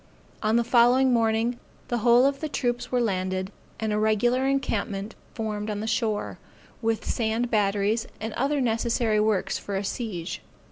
On the following morning, the whole of the troops were landed, and a regular encampment formed on the shore, with sand batteries, and other necessary works for a siege.